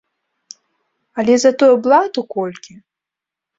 Але затое блату колькі!